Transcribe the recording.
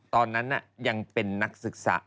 ตอนนั้นยังเป็นนักศึกษา